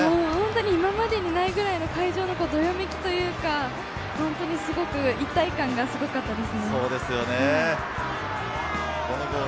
今までにないくらいのどよめきというか、本当にすごく一体感がすごかったです。